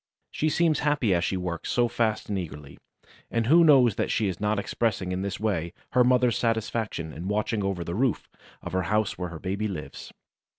She seems happy as she works so fast and eagerly, and who knows that she is not expressing in this way her mother's satisfaction in watching over the roof of her house where her baby lives?